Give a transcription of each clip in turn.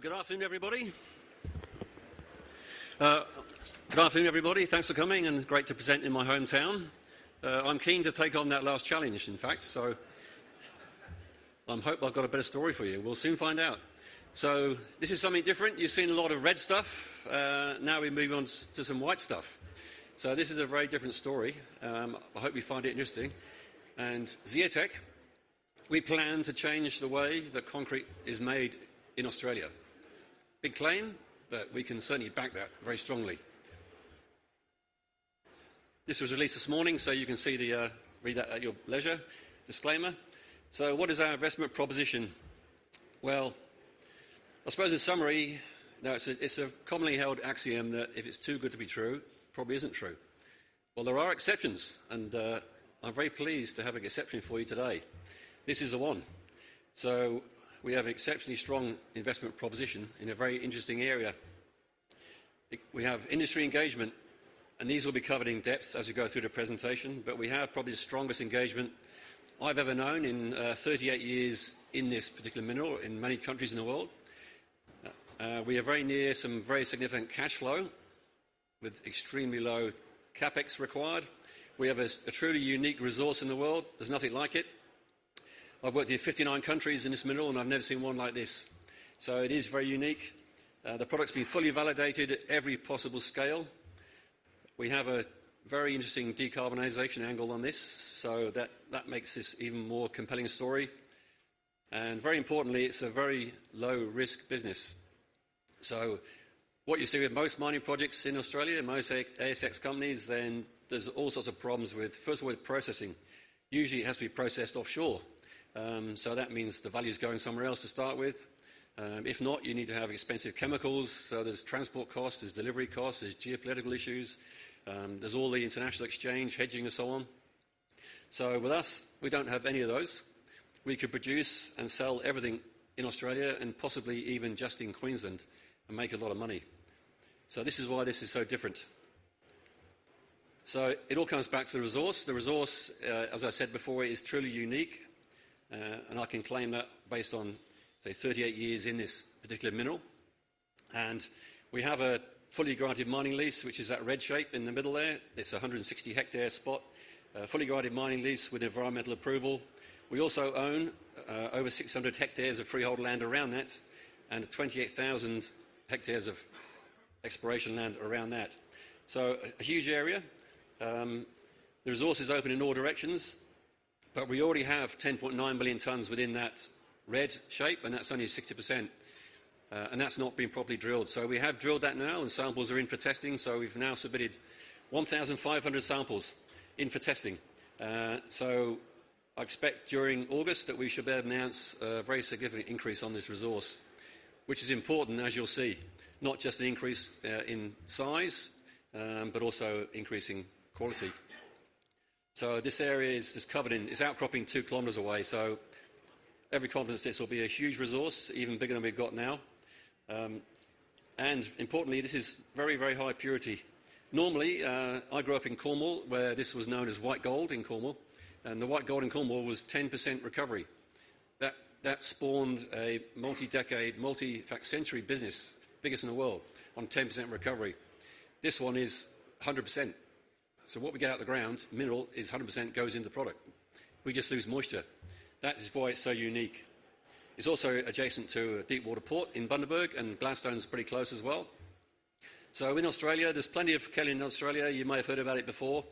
Hello, good afternoon, everybody. Good afternoon, everybody. Thanks for coming and great to present in my hometown. I'm keen to take on that last challenge, in fact, so I hope I've got a better story for you. We'll soon find out. This is something different. You've seen a lot of red stuff. We move on to some white stuff. This is a very different story. I hope you find it interesting. Zeotech, we plan to change the way that concrete is made in Australia. Big claim, but we can certainly back that very strongly. This was released this morning, so you can read that at your leisure. Disclaimer. What is our investment proposition? Well, I suppose in summary, now it's a commonly held axiom that if it's too good to be true, it probably isn't true. Well, there are exceptions, and I'm very pleased to have an exception for you today. This is the one. We have exceptionally strong investment proposition in a very interesting area. We have industry engagement, and these will be covered in depth as we go through the presentation, but we have probably the strongest engagement I've ever known in 38 years in this particular mineral in many countries in the world. We are very near some very significant cash flow with extremely low CapEx required. We have a truly unique resource in the world. There's nothing like it. I've worked in 59 countries in this mineral, and I've never seen one like this. It is very unique. The product's been fully validated at every possible scale. We have a very interesting decarbonization angle on this, so that makes this even more compelling a story. Very importantly, it's a very low-risk business. What you see with most mining projects in Australia, most ASX companies, then there's all sorts of problems with, first of all, with processing. Usually, it has to be processed offshore. That means the value is going somewhere else to start with. If not, you need to have expensive chemicals, so there's transport costs, there's delivery costs, there's geopolitical issues. There's all the international exchange, hedging, and so on. With us, we don't have any of those. We could produce and sell everything in Australia and possibly even just in Queensland and make a lot of money. This is why this is so different. It all comes back to the resource. The resource, as I said before, is truly unique. I can claim that based on, say, 38 years in this particular mineral. We have a fully granted mining lease, which is that red shape in the middle there. It's a 160 hectare spot, a fully granted mining lease with environmental approval. We also own over 600 hectares of freehold land around that and 28,000 hectares of exploration land around that. A huge area. The resource is open in all directions, but we already have 10.9 billion tonnes within that red shape, and that's only 60%. That's not been properly drilled. We have drilled that now and samples are in for testing. We've now submitted 1,500 samples in for testing. I expect during August that we should be able to announce a very significant increase on this resource, which is important, as you'll see. Not just an increase in size, but also increase in quality. This area is outcropping 2 km away, every confidence this will be a huge resource, even bigger than we've got now. Importantly, this is very high purity. I grew up in Cornwall, where this was known as white gold in Cornwall, and the white gold in Cornwall was 10% recovery. That spawned a multi-decade, multi-century business, biggest in the world, on 10% recovery. This one is 100%. What we get out the ground, mineral, is 100% goes into product. We just lose moisture. That is why it's so unique. It's also adjacent to a deep water port in Bundaberg, and Gladstone is pretty close as well. In Australia, there's plenty of kaolin Australia. You might have heard about it before.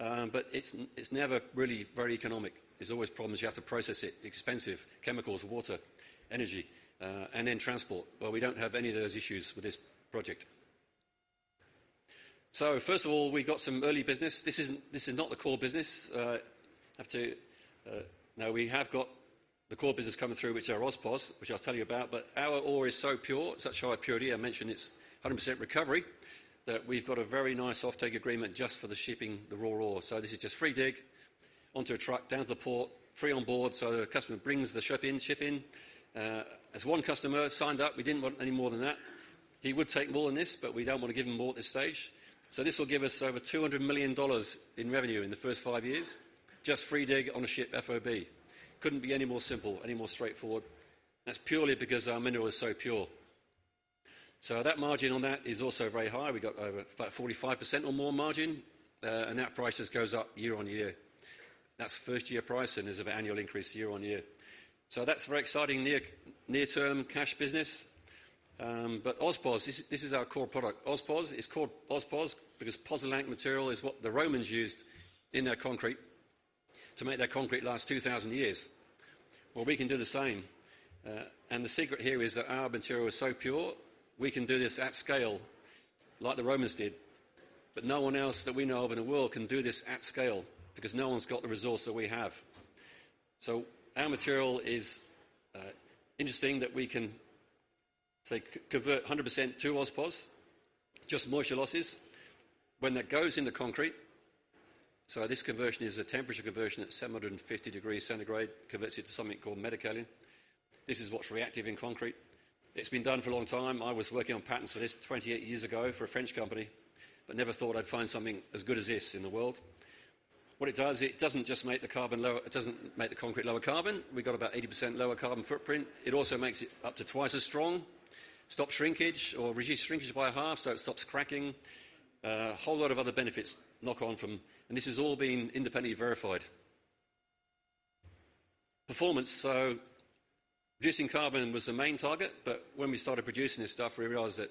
It's never really very economic. There's always problems. You have to process it, expensive, chemicals, water, energy, and then transport. We don't have any of those issues with this project. First of all, we got some early business. This is not the core business. Now we have got the core business coming through, which are AusPozz, which I'll tell you about. Our ore is so pure, such high purity, I mentioned it's 100% recovery, that we've got a very nice offtake agreement just for the shipping the raw ore. This is just free dig, onto a truck, down to the port, free on board, so the customer brings the ship in. As one customer signed up, we didn't want any more than that. He would take more than this, but we don't want to give him more at this stage. This will give us over 200 million dollars in revenue in the first five years, just free dig on a ship, FOB. Couldn't be any more simple, any more straightforward. That's purely because our mineral is so pure. That margin on that is also very high. We got over about 45% or more margin. That price just goes up year on year. That's first-year pricing. There's of annual increase year on year. That's very exciting near-term cash business. AusPozz, this is our core product. AusPozz is called AusPozz because pozzolan material is what the Romans used in their concrete to make their concrete last 2,000 years. We can do the same. The secret here is that our material is so pure, we can do this at scale like the Romans did. No one else that we know of in the world can do this at scale because no one's got the resource that we have. Our material is interesting that we can, say, convert 100% to AusPozz, just moisture losses. When that goes into concrete, this conversion is a temperature conversion at 750 degrees Celsius, converts it to something called metakaolin. This is what's reactive in concrete. It's been done for a long time. I was working on patents for this 28 years ago for a French company, but never thought I'd find something as good as this in the world. What it does, it doesn't just make the concrete lower carbon. We got about 80% lower carbon footprint. It also makes it up to twice as strong, stops shrinkage or reduces shrinkage by a half, so it stops cracking. A whole lot of other benefits knock on from and this has all been independently verified. Performance. Reducing carbon was the main target, but when we started producing this stuff, well, we realized that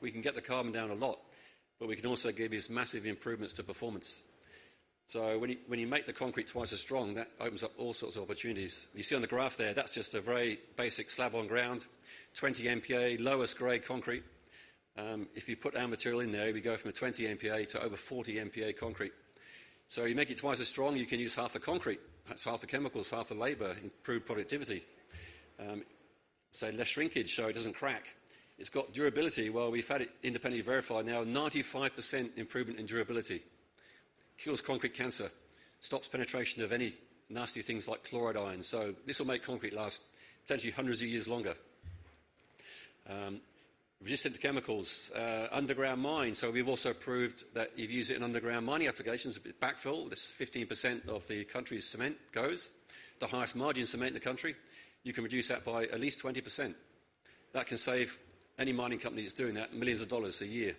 we can get the carbon down a lot, but we can also give these massive improvements to performance. When you make the concrete twice as strong, that opens up all sorts of opportunities. You see on the graph there, that's just a very basic slab on ground, 20 MPa, lowest grade concrete. If you put our material in there, we go from a 20 MPa to over 40 MPa concrete. You make it twice as strong, you can use half the concrete. That's half the chemicals, half the labor, improved productivity. Less shrinkage, so it doesn't crack. It's got durability. Well, we've had it independently verified now, 95% improvement in durability. Cures concrete cancer, stops penetration of any nasty things like chloride ions. This will make concrete last potentially hundreds of years longer. Resistant to chemicals. Underground mines. We've also proved that if you use it in underground mining applications, backfill, this is 15% of the country's cement goes, the highest margin cement in the country, you can reduce that by at least 20%. That can save any mining company that's doing that, millions of dollars a year.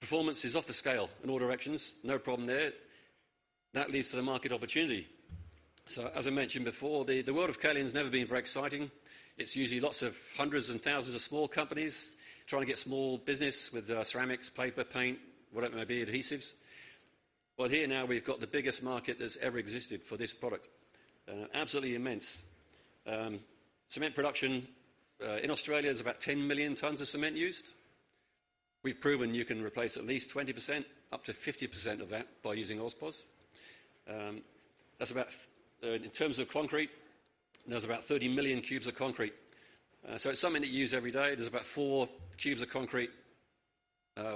Performance is off the scale in all directions. No problem there. That leads to the market opportunity. As I mentioned before, the world of kaolin has never been very exciting. It's usually hundreds and thousands of small companies trying to get small business with ceramics, paper, paint, whatever it may be, adhesives. Well, here now we've got the biggest market that's ever existed for this product. Absolutely immense. Cement production in Australia, there's about 10 million tons of cement used. We've proven you can replace at least 20%, up to 50% of that by using AusPozz. In terms of concrete, there's about 30 million cubes of concrete. It's something that you use every day. There's about four cubes of concrete,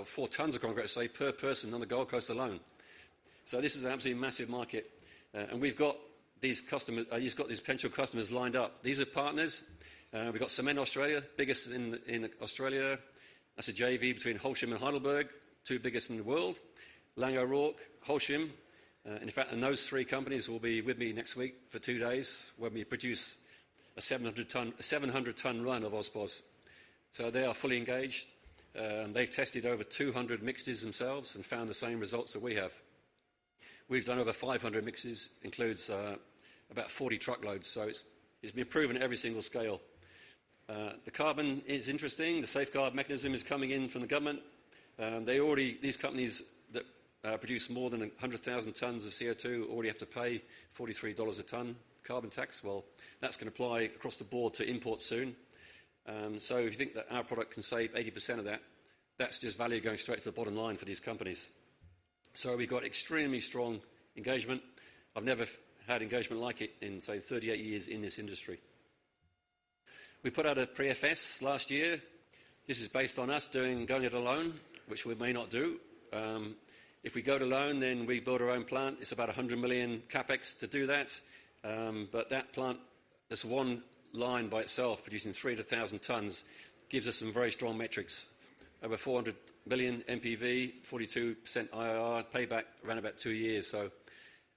four tons of concrete, say, per person on the Gold Coast alone. This is an absolutely massive market. We've got these potential customers lined up. These are partners. We've got Cement Australia, biggest in Australia. That's a JV between Holcim and Heidelberg, two biggest in the world. Laing O'Rourke, Holcim. In fact, those three companies will be with me next week for two days when we produce a 700-ton run of AusPozz. They are fully engaged. They've tested over 200 mixes themselves and found the same results that we have. We've done over 500 mixes, includes about 40 truckloads. It's been proven every single scale. The carbon is interesting. The Safeguard Mechanism is coming in from the government. These companies that produce more than 100,000 tons of CO2 already have to pay 43 dollars a ton carbon tax. Well, that's going to apply across the board to imports soon. If you think that our product can save 80% of that's just value going straight to the bottom line for these companies. We've got extremely strong engagement. I've never had engagement like it in, say, 38 years in this industry. We put out a Pre-FS last year. This is based on us going it alone, which we may not do. If we go it alone, then we build our own plant. It's about 100 million CapEx to do that. That plant, this one line by itself producing 300,000 tons, gives us some very strong metrics. Over 400 million NPV, 42% IRR, payback around about two years.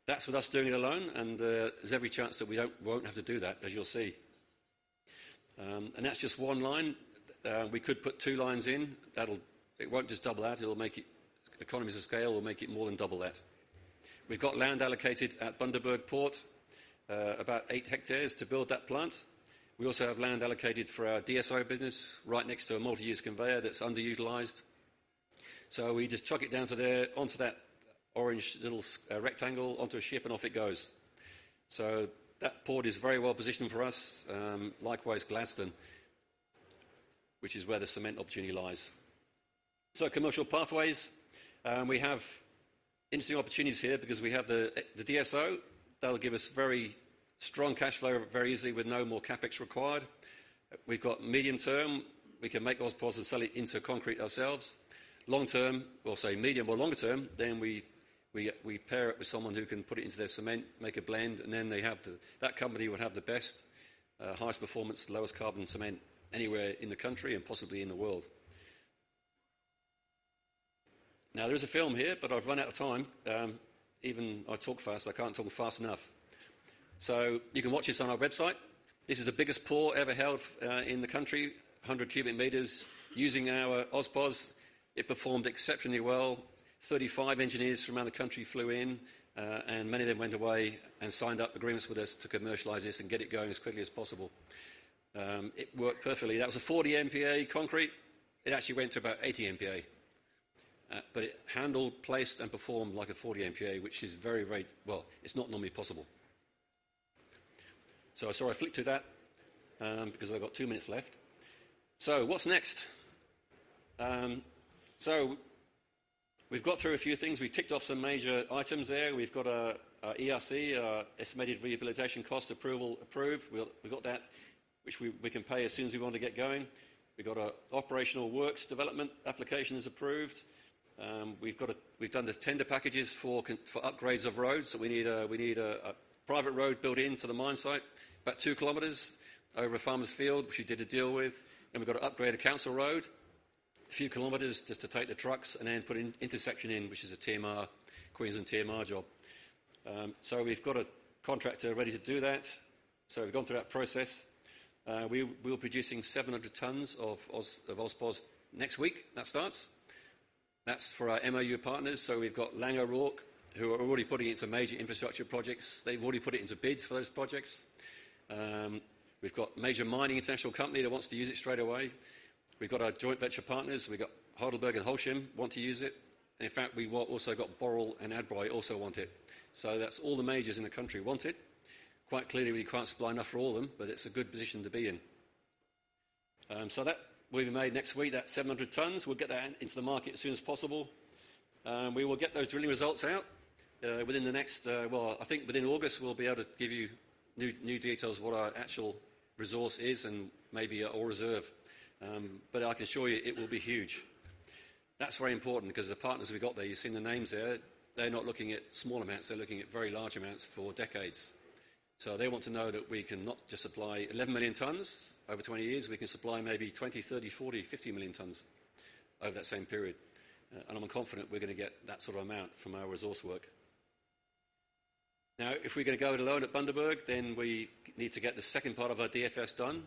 That's with us doing it alone, and there's every chance that we won't have to do that, as you'll see. That's just one line. We could put two lines in. It won't just double that. Economies of scale will make it more than double that. We've got land allocated at Bundaberg Port, about eight hectares to build that plant. We also have land allocated for our DSO business right next to a multi-use conveyor that's underutilized. We just chuck it down to there, onto that orange little rectangle, onto a ship, and off it goes. That port is very well-positioned for us. Likewise, Gladstone, which is where the cement opportunity lies. Commercial pathways. We have interesting opportunities here because we have the DSO. That'll give us very strong cash flow very easily with no more CapEx required. We've got medium-term. We can make AusPozz and sell it into concrete ourselves. Long-term, or say medium or longer-term, then we pair it with someone who can put it into their cement, make a blend, and then that company would have the best, highest performance, lowest carbon cement anywhere in the country and possibly in the world. There is a film here, but I've run out of time. I talk fast, but I can't talk fast enough. You can watch this on our website. This is the biggest pour ever held in the country, 100 cu m using our AusPozz. It performed exceptionally well. 35 engineers from out of the country flew in, and many of them went away and signed up agreements with us to commercialize this and get it going as quickly as possible. It worked perfectly. That was a 40 MPa concrete. It actually went to about 80 MPa. It handled, placed, and performed like a 40 MPa, which is very, very. Well, it's not normally possible. Sorry, I flicked through that, because I've got two minutes left. What's next? We've got through a few things. We ticked off some major items there. We've got our ERC, our estimated rehabilitation cost approval approved. We've got that, which we can pay as soon as we want to get going. We got our operational works development applications approved. We've done the tender packages for upgrades of roads. We need a private road built into the mine site, about 2 km over a farmer's field, which we did a deal with. We've got to upgrade a council road A few kilometers just to take the trucks and then put an intersection in, which is a Queensland TMR job. We've got a contractor ready to do that. We've gone through that process. We're producing 700 tons of AusPozz next week, that starts. That's for our MOU partners. We've got Laing O'Rourke, who are already putting it into major infrastructure projects. They've already put it into bids for those projects. We've got major mining international company that wants to use it straight away. We've got our joint venture partners. We've got Heidelberg and Holcim, want to use it. In fact, we also got Boral and Adbri also want it. That's all the majors in the country want it. Quite clearly, we can't supply enough for all of them, but it's a good position to be in. That will be made next week, that 700 tons. We'll get that into the market as soon as possible. We will get those drilling results out within the next, within August, we'll be able to give you new details of what our actual resource is and maybe a reserve. I can assure you it will be huge. That's very important because the partners we've got there, you've seen the names there. They're not looking at small amounts. They're looking at very large amounts for decades. They want to know that we can not just supply 11 million tons over 20 years. We can supply maybe 20, 30, 40, 50 million tons over that same period. I'm confident we're going to get that sort of amount from our resource work. If we're going to go it alone at Bundaberg, we need to get the second part of our DFS done,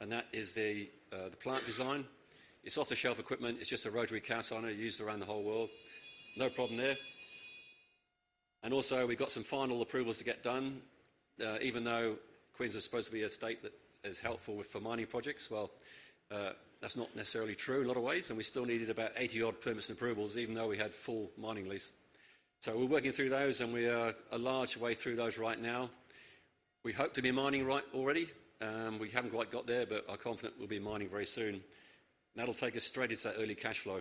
and that is the plant design. It's off-the-shelf equipment. It's just a rotary calciner, used around the whole world. No problem there. We've got some final approvals to get done. Even though Queensland is supposed to be a state that is helpful for mining projects, that's not necessarily true a lot of ways, and we still needed about 80-odd permits and approvals, even though we had full mining lease. We're working through those, and we are a large way through those right now. We hope to be mining already. We haven't quite got there, but are confident we'll be mining very soon. That'll take us straight into that early cash flow.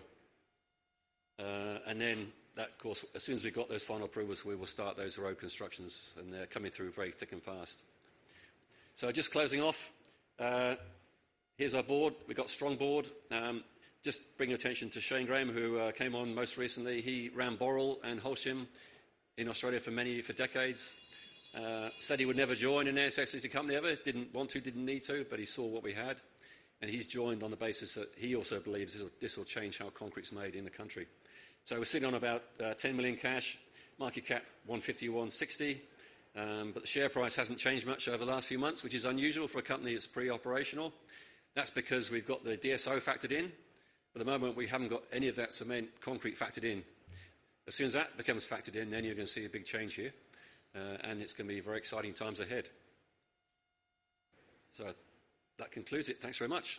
As soon as we've got those final approvals, we will start those road constructions, and they're coming through very thick and fast. Just closing off. Here's our board. We've got strong board. Just bring attention to Shane Graham, who came on most recently. He ran Boral and Holcim in Australia for decades. Said he would never join an ASX listed company, ever. Didn't want to, didn't need to, he saw what we had, and he's joined on the basis that he also believes this will change how concrete's made in the country. We're sitting on about 10 million cash, market cap 150, AUD 160. The share price hasn't changed much over the last few months, which is unusual for a company that's pre-operational. That's because we've got the DSO factored in. At the moment, we haven't got any of that cement, concrete factored in. As soon as that becomes factored in, you're going to see a big change here, and it's going to be very exciting times ahead. That concludes it. Thanks very much.